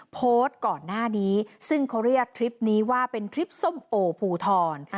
โพสต์ก่อนหน้านี้ซึ่งเขาเรียกทริปนี้ว่าเป็นทริปส้มโอภูทร